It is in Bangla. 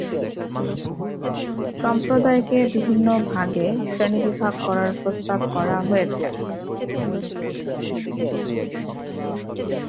সম্প্রদায়কে বিভিন্ন ভাগে শ্রেণীবিভাগ করার প্রস্তাব করা হয়েছে।